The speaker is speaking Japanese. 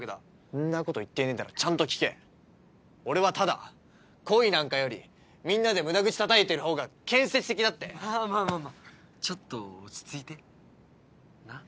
そんなこと言ってねえだろちゃんと聞け俺はただ恋なんかよりみんなで無駄口たたいてるほうが建設的だってまあまあまあまあちょっと落ち着いてなあ？